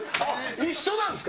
一緒なんですか？